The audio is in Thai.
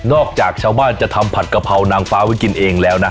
จากชาวบ้านจะทำผัดกะเพรานางฟ้าไว้กินเองแล้วนะ